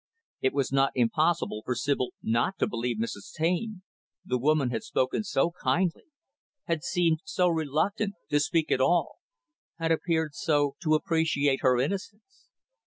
It was impossible for Sibyl not to believe Mrs. Taine the woman had spoken so kindly; had seemed so reluctant to speak at all; had appeared so to appreciate her innocence.